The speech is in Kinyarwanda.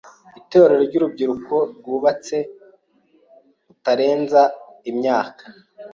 Itorero ry’urubyiruko rwubatse rutararenza imyaka